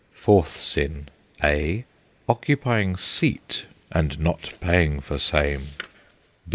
Fourth sin: (a) Occupying seat, and not paying for same.